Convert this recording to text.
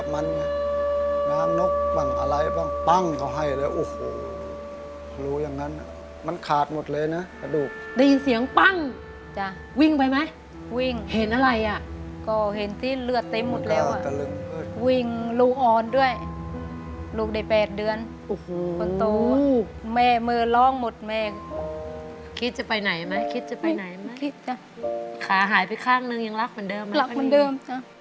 ลูกได้๘เดือนคนตัวแม่มือร่องหมดแม่คิดจะไปไหนมั้ยคิดจะไปไหนมั้ยขาหายไปข้างหนึ่งยังรักเหมือนเดิมรักเหมือนเดิม